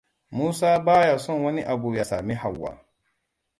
Musa ba ya son wani abu ya sami Hauwa.